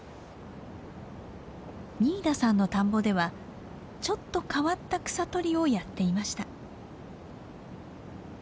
仁井田さんの田んぼではちょっと変わった草取りをやっていました。